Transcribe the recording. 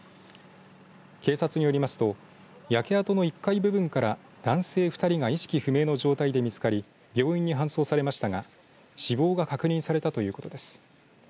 警察によりますと焼け跡の１階部分から男性２人が意識不明の重体で見つかり病院に搬送されましたが死亡が確認されたということです。